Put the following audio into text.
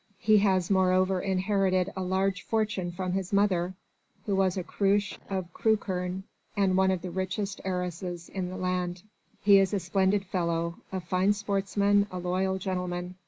He has moreover inherited a large fortune from his mother, who was a Cruche of Crewkerne and one of the richest heiresses in the land. He is a splendid fellow a fine sportsman, a loyal gentleman.